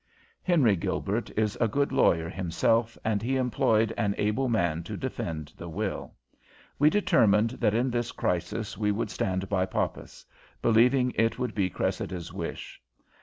Henry Gilbert is a good lawyer himself, and he employed an able man to defend the will. We determined that in this crisis we would stand by Poppas, believing it would be Cressida's wish.